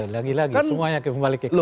lagi lagi semuanya kembali ke ketua umum